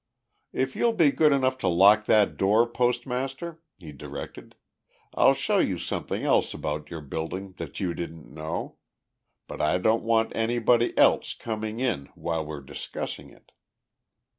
"If you'll be good enough to lock that door, Postmaster," he directed, "I'll show you something else about your building that you didn't know. But I don't want anybody else coming in while we're discussing it."